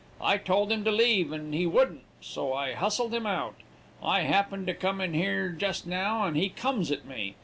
I told him to leave, and he wouldn't, so I hussled him out. I happened to come in here jus' now, and he comes at me.